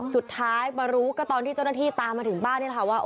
สุดท้ายมารู้ก็ตอนที่เจ้าหน้าที่ตามมาถึงบ้านนี่แหละค่ะว่า